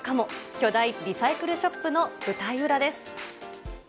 巨大リサイクルショップの舞台裏です。